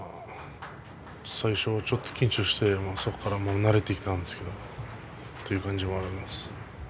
最初はちょっと緊張しましたがもう慣れてきたんですけれどもそういう感じはあります。